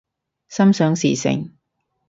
心想事成